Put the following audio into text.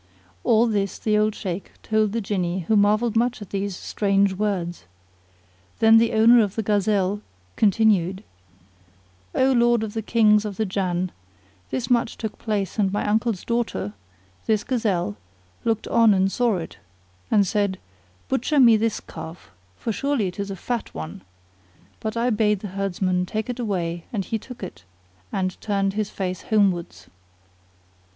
All this the old Shaykh told the Jinni who marvelled much at these strange words. Then the owner of the gazelle continued:—O Lord of the Kings of the Jann, this much took place and my uncle's daughter, this gazelle, looked on and saw it, and said, "Butcher me this calf, for surely it is a fat one;" but I bade the herdsman take it away and he took it and turned his face homewards.